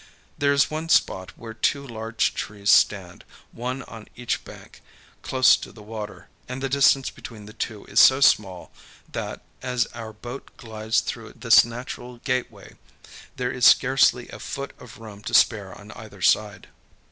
There is one spot where two large trees stand, one on each bank, close to the water, and the distance between the two is so small that as our boat glides through this natural gateway there is scarcely a foot of room to spare on either side.